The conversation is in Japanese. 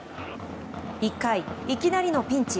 １回、いきなりのピンチ。